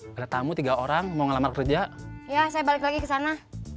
ketnothing gauram mau ngelamar kerja saya balik lagi ke sana